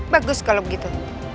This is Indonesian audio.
bagus kalau begitu